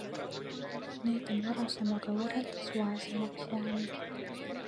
Need on varasemaga võrreldes vaesemaks jäänud.